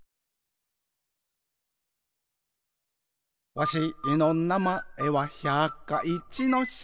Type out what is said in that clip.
「わしのなまえは百科一之進」